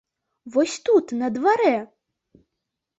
Вось тут, на дварэ!